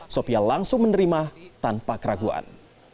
sofia langsung menerima tanpa keraguan